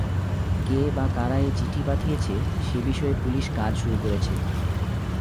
কে বা কারা এ চিঠি পাঠিয়েছে সে বিষয়ে পুলিশ কাজ শুরু করেছে।